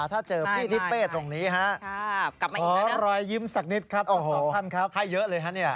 ถ้าเจอพี่ทิศเป้ตรงนี้ฮะขอรอยยิ้มสักนิดครับเอาสองท่านครับให้เยอะเลยฮะเนี่ย